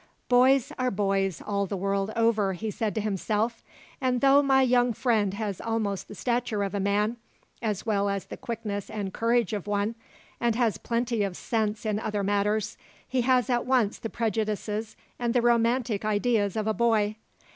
"Boys are boys all the world over," he said to himself, "and though my young friend has almost the stature of a man, as well as the quickness and courage of one, and has plenty of sense in other matters, he has at once the prejudices and the romantic ideas of a boy.